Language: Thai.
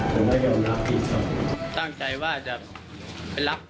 ก็ตั้งใจนิดหน่อยครับ